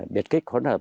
biệt kích khốn nạn